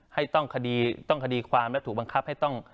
ให้ต้องคดีต้องคดีความและถูกบังคับให้ต้อง